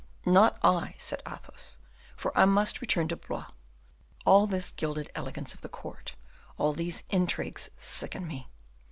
"Not I," said Athos, "for I must return to Blois. All this gilded elegance of the court, all these intrigues, sicken me.